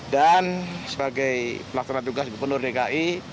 dan sebagai pelaksana tugas gubernur dki